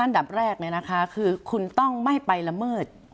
อันดับแรกคือคุณต้องไม่ไปละเมิด